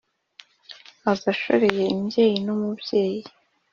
aza ashoreye imbyeyi n’umubyeyi